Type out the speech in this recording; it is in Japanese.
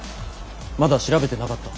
まだ調べてなかった。